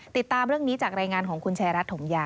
ติดตามเรื่องนี้จากรายงานของคุณชายรัฐถมยา